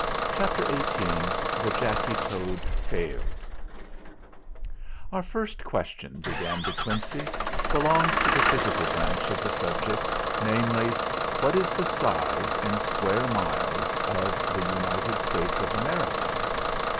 CHAPTER XVIII THE JACKY TOAD FAILS "Our first question," began De Quincey, "belongs to the physical branch of the subject namely, What is the size, in square miles, of the United States of America